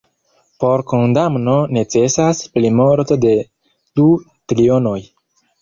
Por kondamno necesas plimulto de du trionoj.